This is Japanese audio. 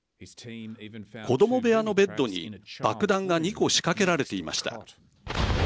子ども部屋のベッドに爆弾が２個仕掛けられていました。